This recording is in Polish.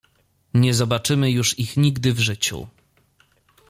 "Nie zobaczymy już ich nigdy w życiu."